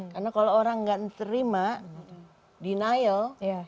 karena kalau orang enggak menerima denial